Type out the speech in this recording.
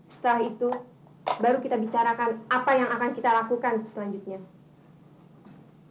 setelah itu baru kita bicarakan apa yang akan kita lakukan selanjutnya